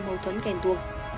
mâu thuẫn kèn tuông